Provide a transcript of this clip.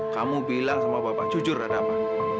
kamu bilang sama bapak jujur ada apa